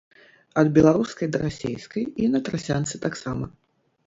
Ад беларускай да расейскай, і на трасянцы таксама.